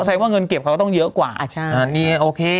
แสดงว่าเงินเก็บเขาก็ต้องเยอะกว่าอ่าใช่อ่านี่โอเค